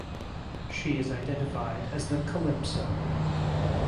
She is identified as the "Calypso".